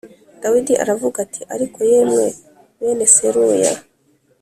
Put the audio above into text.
Dawidi aravuga ati Ariko yemwe bene Seruya